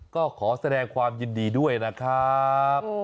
ก็ขอแสดงความยินดีด้วยนะครับ